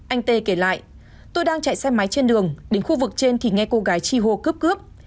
anh tê kể lại tôi đang chạy xe máy trên đường đến khu vực trên thì nghe cô gái chi hô cướp cướp